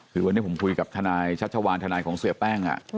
คือวันนี้ผมคุยกับทนายชัชวานทนายของเสียแป้ง